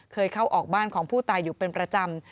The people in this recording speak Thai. เข้าออกบ้านของผู้ตายอยู่เป็นประจำ